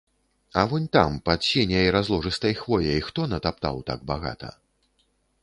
А вунь там, пад сіняй разложыстай хвояй, хто натаптаў так багата?